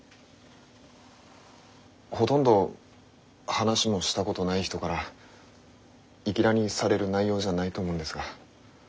ほとんど話もしたことない人からいきなりされる内容じゃないと思うんですが。